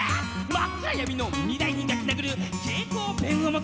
「真っ暗闇の未来に描き殴る蛍光ペンを求めて」